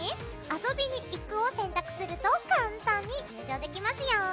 遊びに行くを選択すると簡単に入場できますよ。